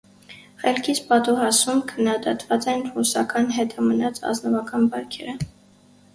«Խելքից պատուհասում» քննադատված են ռուսական հետամնաց ազնվական բարքերը։